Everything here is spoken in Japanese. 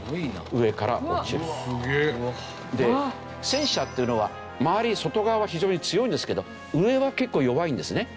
戦車っていうのは周り外側は非常に強いんですけど上は結構弱いんですね。